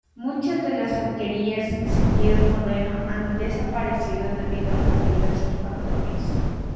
Muchas de las alquerías en sentido moderno han desaparecido debido a diversos factores.